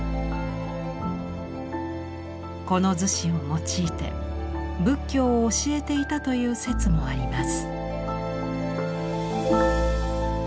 この厨子を用いて仏教を教えていたという説もあります。